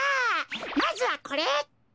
まずはこれ。